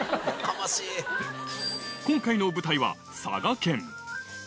今回の舞台は佐賀県。